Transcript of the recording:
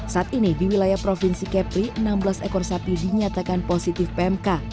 saat ini di wilayah provinsi kepri enam belas ekor sapi dinyatakan positif pmk